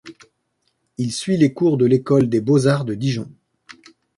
Il suit les cours de l’école des Beaux-Arts de Dijon.